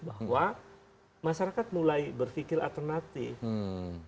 bahwa masyarakat mulai berpikir alternatif